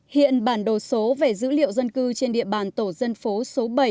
hiện bản đồ số về dữ liệu dân cư trên địa bàn tổ dân phố số bảy